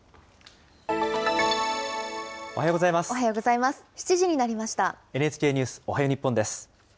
おはようございます。